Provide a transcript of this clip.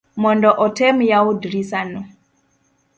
mondo otem yawo drisa no